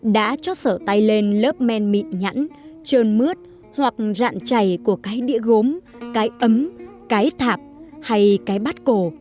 đã cho sở tay lên lớp men mịn nhẵn trơn mướt hoặc rạn chày của cái đĩa gốm cái ấm cái thạp hay cái bát cổ